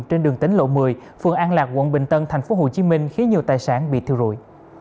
trên đường tính lộ một mươi phường an lạc quận bình tân tp hcm khiến nhiều tài sản bị thiêu rụi